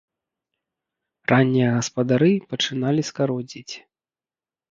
Раннія гаспадары пачыналі скародзіць.